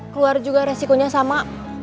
keluar juga resikonya sama